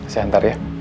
saya ntar ya